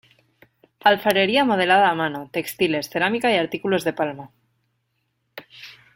Alfarería modelada a mano, textiles, cerámica y artículos de palma.